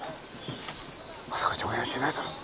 まさか上演はしないだろ？